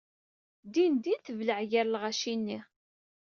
Dindin tebleɛ gar lɣaci-nni.